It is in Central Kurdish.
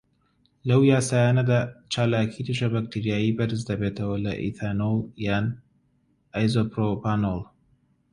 لەو یاسایانەدا، چالاکی دژەبەکتریایی بەرزدەبێتەوە لە ئیثانۆڵ یان ئایزۆپڕۆپانۆڵ.